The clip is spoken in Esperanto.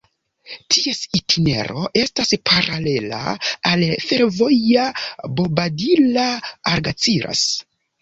Ties itinero estas paralela al la fervojo Bobadilla-Algeciras.